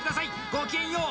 ごきげんよう！